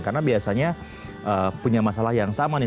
karena biasanya punya masalah yang sama nih